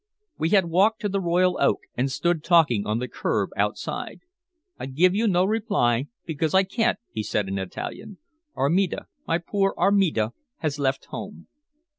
We had walked to the Royal Oak, and stood talking on the curb outside. "I give you no reply, because I can't," he said in Italian. "Armida my poor Armida has left home."